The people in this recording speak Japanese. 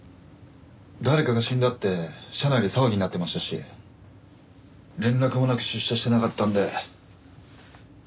誰かが死んだって社内で騒ぎになってましたし連絡もなく出社してなかったんで嫌な予感はしてたんです。